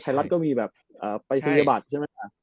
ทายลัทธ์ก็มีแบบไปสัญญาบาทใช่มั้ย